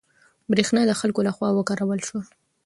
برېښنا د خلکو له خوا وکارول شوه.